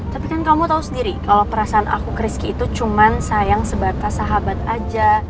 tapi kan kamu tahu sendiri kalau perasaan aku chriski itu cuma sayang sebatas sahabat aja